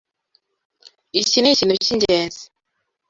Iki nikintu cyingenzi.